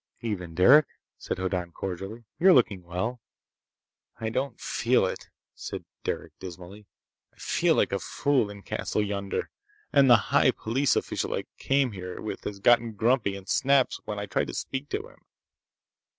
"Evening, Derec," said Hoddan cordially. "You're looking well!" "I don't feel it," said Derec dismally. "I feel like a fool in the castle yonder. And the high police official I came here with has gotten grumpy and snaps when I try to speak to him."